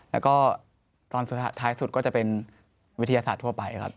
แล้วก็ตอนสุดท้ายสุดก็จะเป็นวิทยาศาสตร์ทั่วไปครับ